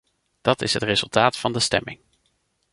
Dat is het resultaat van de stemming.